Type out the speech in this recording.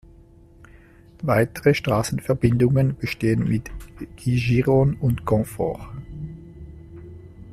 Weitere Straßenverbindungen bestehen mit Giron und Confort.